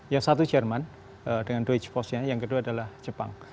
yang satu jerman dengan doge force nya yang kedua adalah jepang